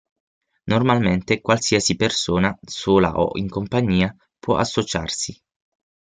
Normalmente qualsiasi persona, sola o in compagnia, può associarsi.